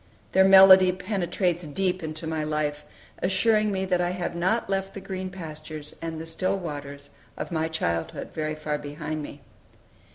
Their melody penetrates deep into my life, assuming me that I have not left the green pastures and the still waters of my childhood very far behind me.